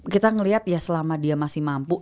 kita melihat ya selama dia masih mampu